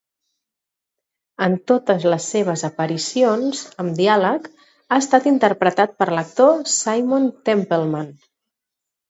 En totes les seves aparicions amb diàleg, ha estat interpretat per l'actor Simon Templeman.